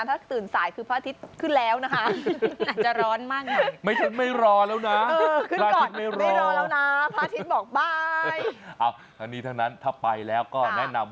ถ้าตื่นสายคือพระอาทิตย์ขึ้นแล้วนะคะ